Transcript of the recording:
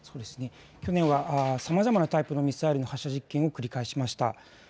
去年はさまざまなタイプのミサイルの発射実験を繰り返しました。